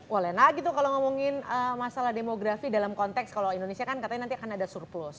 boleh nah gitu kalau ngomongin masalah demografi dalam konteks kalau indonesia kan katanya nanti akan ada surplus